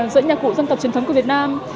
giữa nhạc cụ dân tộc truyền thống của việt nam